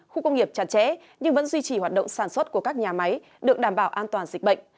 khu công nghiệp chặt chẽ nhưng vẫn duy trì hoạt động sản xuất của các nhà máy được đảm bảo an toàn dịch bệnh